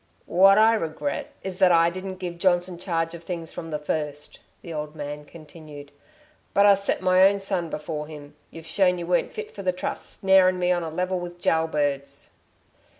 "What I regret is that I didn't give Johnson charge of things from the first," the old man continued. "But I set my own son before him. You've shown y' weren't fit for the trust snaring me on a level with gaol birds...."